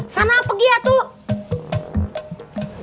sana apa dia tuh